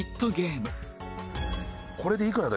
これでいくらだ？